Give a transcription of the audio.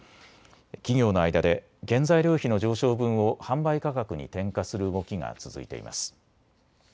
企業の間で原材料費の上昇分を販売価格に転嫁する動きが続いています。